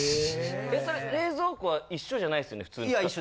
それ冷蔵庫は一緒じゃないですよね普通と。